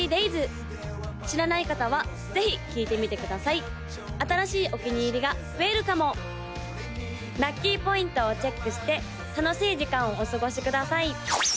知らない方はぜひ聴いてみてください新しいお気に入りが増えるかもラッキーポイントをチェックして楽しい時間をお過ごしください！